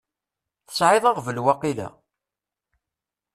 Tesεiḍ aɣbel waqila?